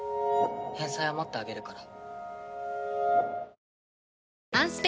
返済は待ってあげるから。